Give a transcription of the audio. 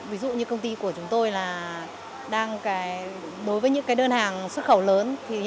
ví dụ như công ty của chúng tôi là đang đối với những đơn hàng xuất khẩu lớn